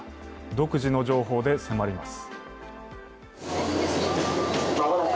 独自の情報で迫ります。